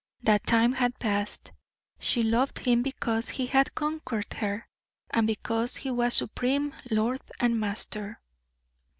That time had passed. She loved him because he had conquered her, and because he was supreme lord and master.